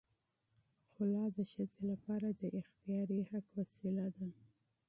خلع د ښځې لپاره د اختیاري حق وسیله ده.